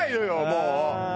もう。